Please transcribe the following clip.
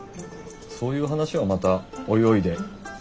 そういう話はまたおいおいで。